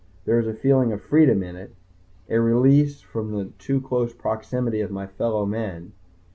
There is a feeling of freedom in it, a release from the too close proximity of my fellow men.